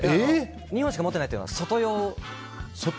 ２本しか持っていないというのは外用。